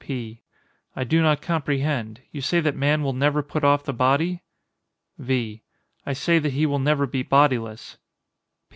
P. I do not comprehend. You say that man will never put off the body? V. I say that he will never be bodiless.